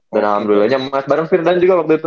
dan alhamdulillah nyaman bareng firdan juga waktu itu